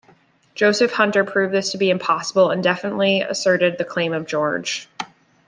Joseph Hunter proved this to be impossible, and definitely asserted the claim of George.